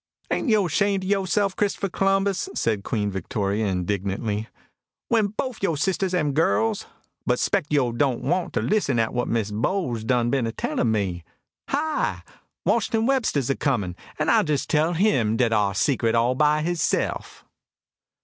"Ain't yo' 'shamed yo'seff, Chrissfer C'lumbus," said Queen Victoria, indignantly, "wen bofe yo' sisters am girls? But spect yo' don't want to lissen at wat Miss Bowles done bin a tellin' me. Hi! Washington Webster's a comin', an' I'll jess tell him dat ar secrek all by hisseff."